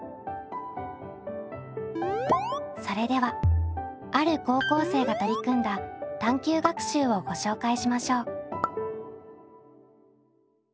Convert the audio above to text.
それではある高校生が取り組んだ探究学習をご紹介しましょう。